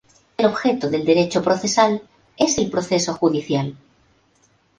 El objeto del derecho procesal es el proceso judicial.